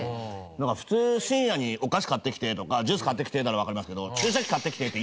なんか普通深夜に「お菓子買ってきて」とか「ジュース買ってきて」ならわかりますけど。